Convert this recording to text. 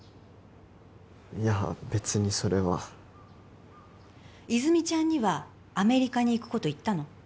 いや別にそれは泉ちゃんにはアメリカに行くこと言ったの？